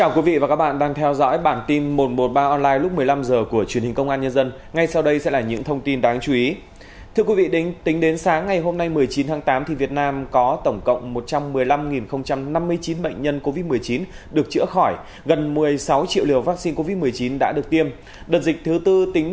các bạn hãy đăng ký kênh để ủng hộ kênh của chúng mình nhé